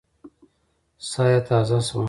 ساه يې تازه شوه.